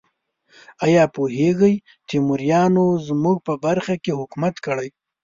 ایا پوهیږئ تیموریانو زموږ په برخو کې حکومت کړی؟